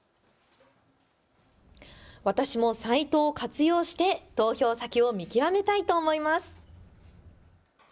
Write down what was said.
私もサイトを活用して投票先を見極めたいと思います。